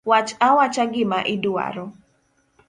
Wach awacha gima idwaro.